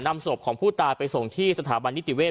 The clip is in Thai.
นำศพของผู้ตายไปส่งที่สถาบันนิติเวศ